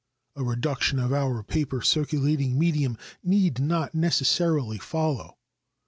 A reduction of our paper circulating medium need not necessarily follow.